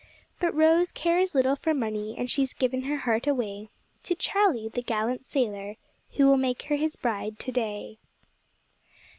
But Rose cares little for money, and she's given her heart away To Charlie, the gallant sailor, who will make her his bride to day.